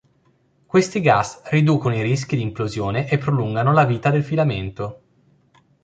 Questi gas riducono i rischi di implosione e prolungano la vita del filamento.